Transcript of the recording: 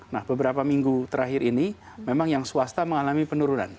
nah beberapa minggu terakhir ini memang yang swasta mengalami penurunan